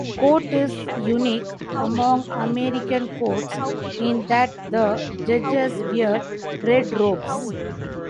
The Court is unique among American courts in that the judges wear red robes.